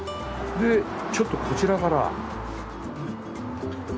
でちょっとこちらから。